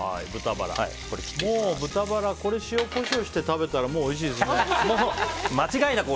これ塩、コショウして食べたらもうおいしいですね。